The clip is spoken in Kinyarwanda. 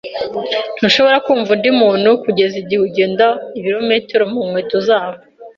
Ntushobora kumva undi muntu kugeza igihe ugenda ibirometero mukweto zabo.